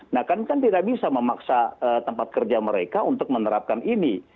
nah kami kan tidak bisa memaksa tempat kerja mereka untuk menerapkan ini